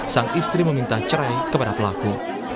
sang istri meminta cerai kepada pelaku